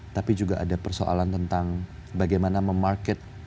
tapi juga ada persoalan tentang bagaimana memarket